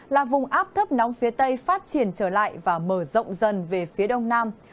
là vùng áp thấp nóng phía tây phát triển trở lại và mở rộng dần về phía đông nam